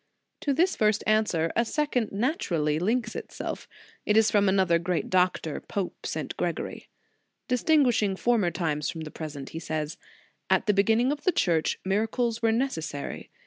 To this first answer, a second naturally links itself. It is from another great doctor, Pope St. Gregory. Distinguishing former times from the present, he says: "At the beginning of the Church, miracles were ne cessary.